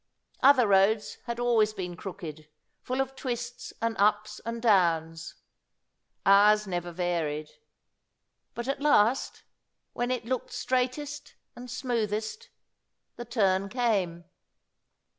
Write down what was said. Other roads had always been crooked full of twists and ups and downs; ours never varied. But at last, when it looked straightest and smoothest, the turn came.